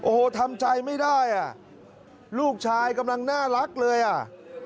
โอ้โหทำใจไม่ได้อ่ะลูกชายกำลังน่ารักเลยอ่ะ